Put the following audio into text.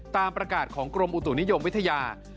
ตามประกาศของกรมอุตุนิยมวิทยา